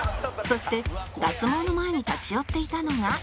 そして脱毛の前に立ち寄っていたのが